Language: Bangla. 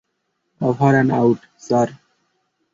ওবার এন্ড আউট, স্যার।